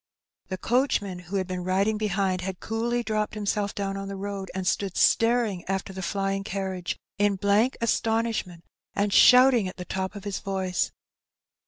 The coachman, who had been riding behind, had coolly dropped himself down on the road, and stood staring after the flying carriage in blank astonishment, and shouting at the top of his voice.